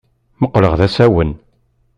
Mmuqqleɣ d asawen.